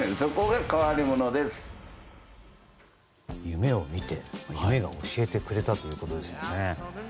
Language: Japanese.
夢を見て、夢が教えてくれたということですね。